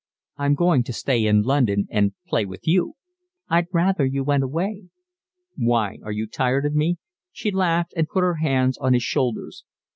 I'm going to stay in London and play with you." "I'd rather you went away." "Why? Are you tired of me?" She laughed and put her hands on his shoulders.